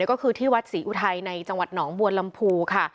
ก็คือที่วัดศรีอุทัยในจังหวัดหนองบัวลำพูค่ะ